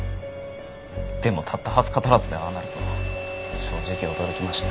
でもたった２０日足らずでああなるとは正直驚きました。